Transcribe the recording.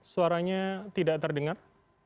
suaranya tidak terdengar